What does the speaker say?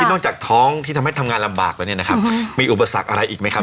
นอกจากท้องที่ทำให้ทำงานลำบากแล้วเนี่ยนะครับมีอุปสรรคอะไรอีกไหมครับ